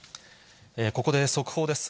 ここで速報です。